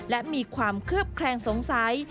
และมีความเคลือบแคลงสงสัย